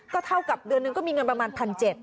ก็เท่ากับเดือนหนึ่งก็มีเงินประมาณ๑๗๐๐